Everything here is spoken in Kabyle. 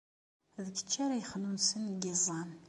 D kečč ara yexnunsen deg yiẓẓan.